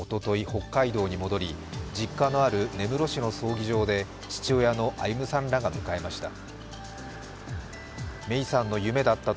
北海道に戻り、実家のある根室市の葬儀場で父親の歩さんらが迎えました。